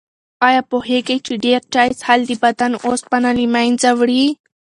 آیا پوهېږئ چې ډېر چای څښل د بدن اوسپنه له منځه وړي؟